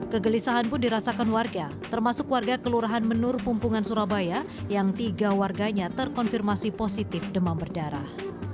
kegelisahan pun dirasakan warga termasuk warga kelurahan menur pumpungan surabaya yang tiga warganya terkonfirmasi positif demam berdarah